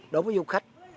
đối với du khách